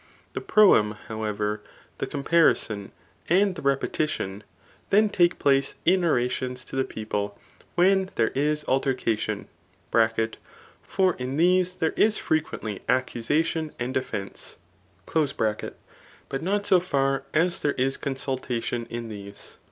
The proem, however, the comparison, and the repetition, then take place in orations to the people, when there is altercation; (for in these there is frequently accusation and defence ;) but not so far as there is con sultation in these.